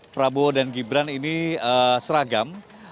prabowo dan gibran ini seragam